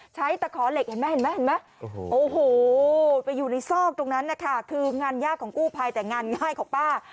ตะขอเหล็กเห็นไหมเห็นไหมโอ้โหไปอยู่ในซอกตรงนั้นนะคะคืองานยากของกู้ภัยแต่งานง่ายของป้า